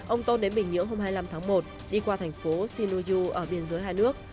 ông tôn đến bình nhưỡng hôm hai mươi năm tháng một đi qua thành phố shinuju ở biên giới hai nước